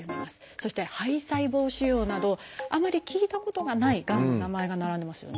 そして「胚細胞腫瘍」などあまり聞いたことがないがんの名前が並んでますよね。